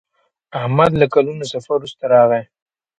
احمد له کلونو سفر وروسته راغی.